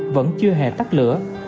vẫn chưa hề tắt lửa